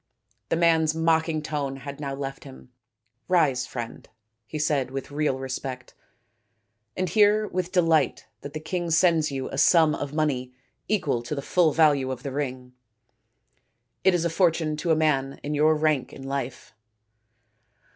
The man's mocking tone had now left him. " Rise, friend/ 5 he said with real respect, " and hear with delight that the king sends you a sum of money equal to the full value of the ring. It is a fortune to a man in your rank in life."